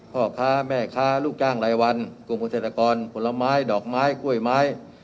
พ่อค้าแม่ค้าลูกจ้างรายวันกลุ่มเกษตรกรผลไม้ดอกไม้กล้วยไม้